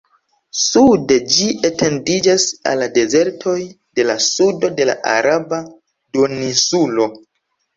Sude, ĝi etendiĝas al la dezertoj de la sudo de la Araba Duoninsulo.